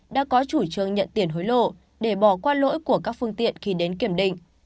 đã có chủ trương nhận tiền hối lộ để bỏ qua lỗi của các phương tiện khi đến kiểm định